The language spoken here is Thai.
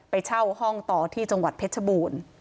ไปเช่าห้องต่อที่จังหวัดเพชรบูรณ์